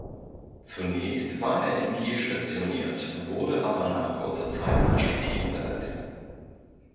Zunächst war er in Kiel stationiert, wurde aber nach kurzer Zeit nach Stettin versetzt.